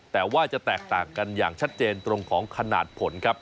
แต่ว่าจะแตกต่างกันอย่างชัดเจนตรงของขนาดผลครับ